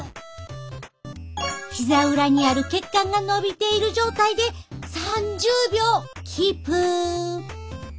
ひざ裏にある血管がのびている状態で３０秒キープ。